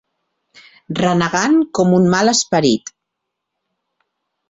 Renegant com un mal esperit.